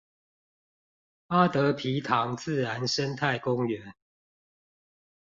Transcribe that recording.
八德埤塘自然生態公園